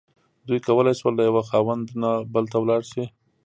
دوی کولی شول له یوه خاوند نه بل ته لاړ شي.